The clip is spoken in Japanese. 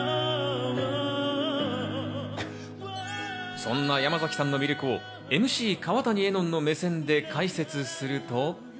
そんな山崎さんの魅力をＭＣ川谷絵音の目線で解説すると。